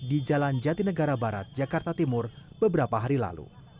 di jalan jatinegara barat jakarta timur beberapa hari lalu